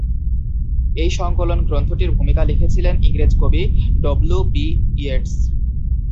এই সংকলন গ্রন্থটির ভূমিকা লিখেছিলেন ইংরেজ কবি ডব্লু বি ইয়েটস।